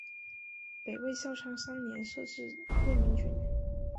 北魏孝昌三年设置魏明郡。